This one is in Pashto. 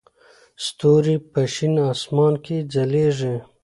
ستوري په شین اسمان کې ځلېږي.